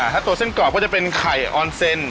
ถ้าตัวเส้นกรอบก็จะเป็นไข่ออนเซ็น